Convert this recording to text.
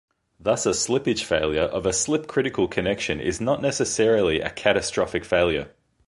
Thus a slippage failure of a slip-critical connection is not necessarily a catastrophic failure.